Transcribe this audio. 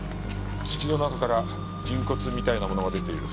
「土の中から人骨みたいなものが出ている」。